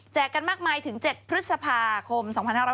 กันมากมายถึง๗พฤษภาคม๒๕๖๐